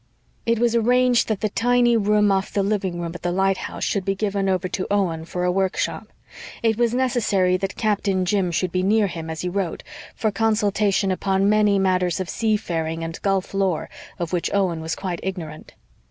It was arranged that the tiny room off the living room at the lighthouse should be given over to Owen for a workshop. It was necessary that Captain Jim should be near him as he wrote, for consultation upon many matters of sea faring and gulf lore of which Owen was quite ignorant.